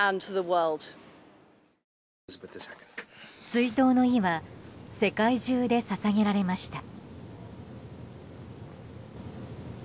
追悼の意は世界中で捧げられました。